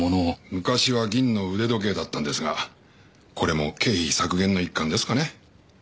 昔は銀の腕時計だったんですがこれも経費削減の一環ですかね。